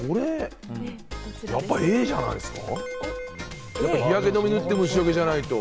やっぱり、Ａじゃないですか？